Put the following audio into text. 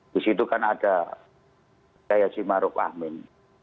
disitu kan ada jayasimaruk amin